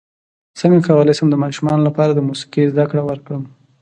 څنګه کولی شم د ماشومانو لپاره د موسیقۍ زدکړه ورکړم